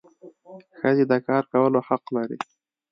ښځي د کار کولو حق لري.